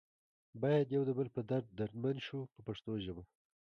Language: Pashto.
باید یو د بل په درد دردمند شو په پښتو ژبه.